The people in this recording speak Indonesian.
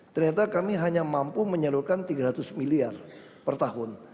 ternyata kami hanya mampu menyalurkan tiga ratus miliar per tahun